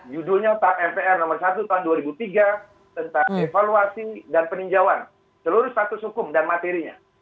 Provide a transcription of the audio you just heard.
judulnya tap mpr nomor satu tahun dua ribu tiga tentang evaluasi dan peninjauan seluruh status hukum dan materinya